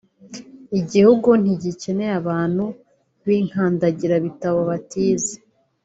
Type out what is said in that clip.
Igihugu ntigikeneye abantu b’inkandagirabitabo batize